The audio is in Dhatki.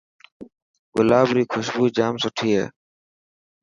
گلاب ري خوشبو ڄام سٺي هي.